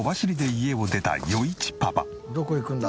どこ行くんだ？